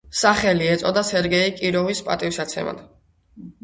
სახელი ეწოდა სერგეი კიროვის პატივსაცემად.